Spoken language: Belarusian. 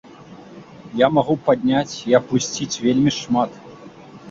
Я магу падняць і апусціць вельмі шмат.